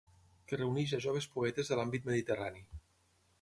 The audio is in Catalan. Que reuneix a joves poetes de l'àmbit mediterrani.